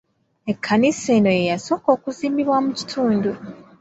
Ekkanisa eno ye yasooka okuzimbibwa mu kitundu.